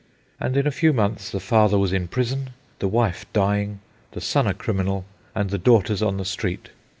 And in a few months the father was in prison, the wife dying, the son a criminal, and the daughters on the street.